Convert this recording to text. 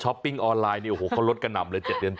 ปิ้งออนไลน์เนี่ยโอ้โหเขาลดกระหน่ำเลย๗เดือน